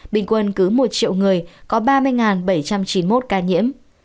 bình quân cứ một triệu người có ba mươi bảy trăm chín mươi một ca nhiễm